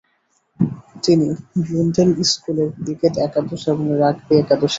তিনি ব্লুন্ডেল স্কুলের ক্রিকেট একাদশ এবং রাগবি একাদশে ছিলেন।